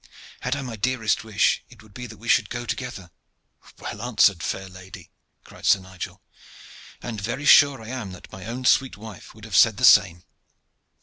"Had I my dearest wish, it would be that we should go together." "Well answered, fair lady!" cried Sir Nigel. "And very sure I am that my own sweet wife would have said the same.